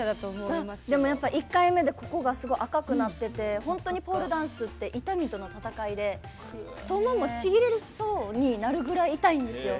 １回目で赤くなってて本当にポールダンスって痛みとの戦いで太ももちぎれそうになるぐらい痛いんですよ。